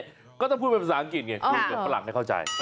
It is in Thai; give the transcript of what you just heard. นี่ก็ต้องพูดเป็นภาษาอังกฤษเพราะว่าฝรั่งไม่เข้าใจ